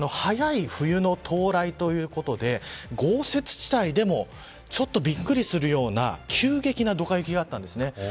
早い冬の到来ということで豪雪地帯でもちょっとびっくりするような急激なドカ雪があったんです。